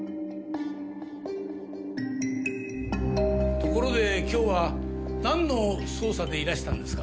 ところで今日はなんの捜査でいらしたんですか？